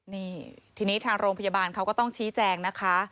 นี่ทีนี้ทางโรงพยาบาลเขาก็ต้องชี้แจงนะคะ